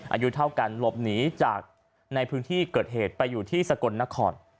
อายุเท่ากันหลบหนีจากในพื้นที่เกิดเหตุไปอยู่ที่สกลนคร